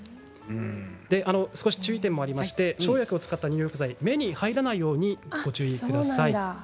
少し注意点もありまして生薬を使った入浴剤は目に入らないようにしてください。